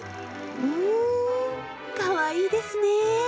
うんかわいいですね！